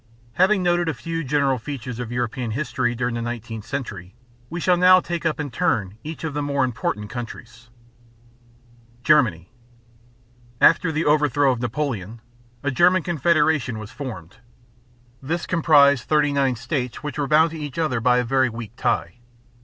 Having noted a few general features of European history during the nineteenth century, we shall now take up in turn each of the more important countries. GERMANY. After the overthrow of Napoleon, a German Confederation was formed. This comprised thirty nine states which were bound to each other by a very weak tie.